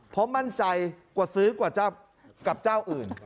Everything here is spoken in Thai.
เพราะมั่นใจกว่าซื้อกว่ากับเจ้าอื่น